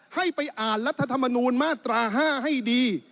ให้ไปอ่านรัฐธรรมนูลมาตรา๕ให้ดี